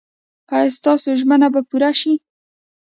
ایا ستاسو ژمنه به پوره نه شي؟